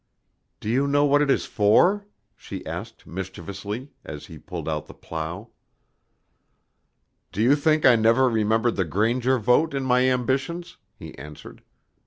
"Do you know what it is for?" she asked mischievously, as he pulled out the plow. "Do you think I never remembered the granger vote in my ambitions?" he answered.